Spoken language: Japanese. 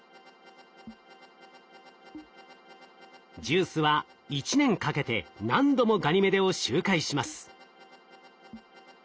ＪＵＩＣＥは１年かけて何度もガニメデを周回します。